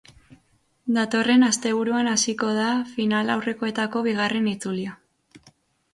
Datorren asteburuan hasiko da finalaurrekoetako bigarren itzulia.